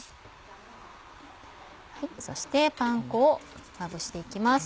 そしてパン粉をまぶして行きます。